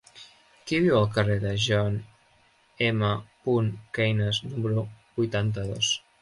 Qui viu al carrer de John M. Keynes número vuitanta-dos?